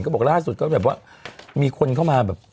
ก็บอกลล่าสุดมีคนเข้ามาแบบ